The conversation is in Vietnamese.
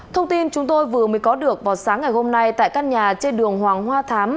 thông tin chúng tôi vừa mới có được vào sáng ngày hôm nay tại căn nhà trên đường hoàng hoa thám